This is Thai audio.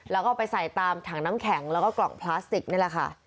แล้วก็เอาไปใส่ตามถังน้ำแข็งแล้วก็กล่องพลาสติกนี่แหละค่ะ